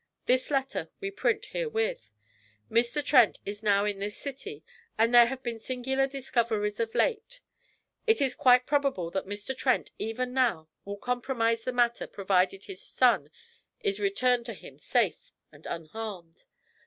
This letter we print herewith. Mr. Trent is now in this city, and there have been singular discoveries of late. It is quite probable that Mr. Trent even now will compromise the matter provided his son is returned to him safe and unharmed.